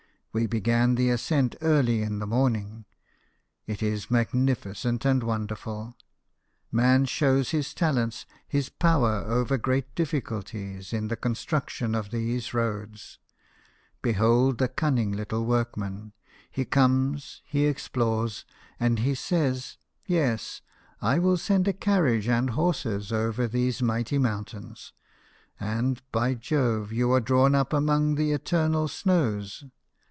We began the ascent early in the morning. It is magnificent and wonderful. Man shows his talents, his power over great difficulties, in the construction of these roads. Behold the cunning little workman he comes, he explores, and he says, 'Yes, I will send a carriage and horses over these mighty mountains ;' and, by Jove, you are drawn up among the eternal snows.